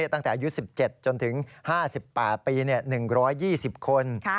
ตั้งแต่อายุ๑๗จนถึง๕๘ปี๑๒๐คน